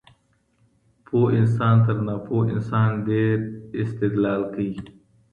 پوه انسان تر ناپوهه انسان ډېر استدلال کوي.